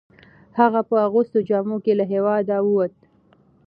هغه په اغوستو جامو کې له هیواده وووت.